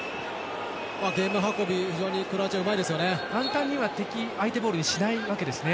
ゲーム運び、非常にクロアチアうまいですよね。